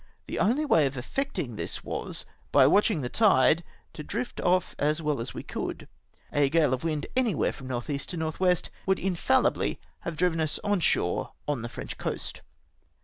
Our only way of effecting this was, by watching the tide, to drift off as well as we could. A gale of wind anywhere from N.E. to N.W. would mfaUibly have driven us on shore on the French coast.